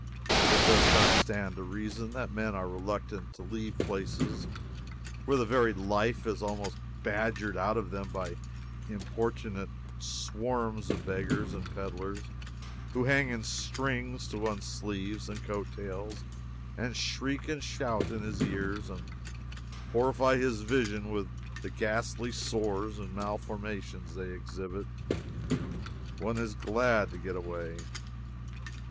It does not stand to reason that men are reluctant to leave places where the very life is almost badgered out of them by importunate swarms of beggars and peddlers who hang in strings to one's sleeves and coat tails and shriek and shout in his ears and horrify his vision with the ghastly sores and malformations they exhibit. One is glad to get away.